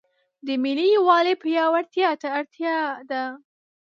د ملي یووالي پیاوړتیا ته اړتیا ده.